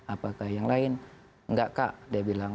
apakah yang lain enggak kak dia bilang